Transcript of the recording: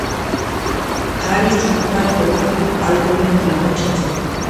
ჰარისს ჯგუფთან ორი ალბომი ჰქონდა ჩაწერილი.